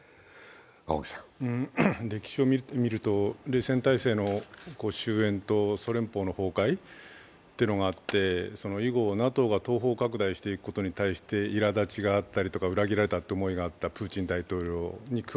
歴史を見ると冷戦体制の終えんとソ連邦の崩壊というのがあって以後、ＮＡＴＯが東方拡大していくことに対していらだちがあったりとか、裏切られたという思いがあったプーチン大統領。